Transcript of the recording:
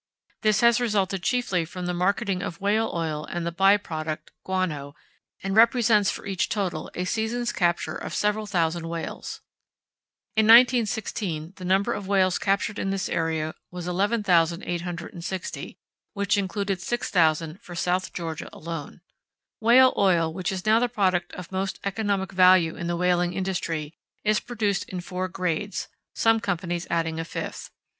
This has resulted chiefly from the marketing of whale oil and the by product, guano, and represents for each total a season's capture of several thousand whales. In 1916, the number of whales captured in this area was 11,860, which included 6000 for South Georgia alone. Whale oil, which is now the product of most economic value in the whaling industry, is produced in four grades (some companies adding a fifth).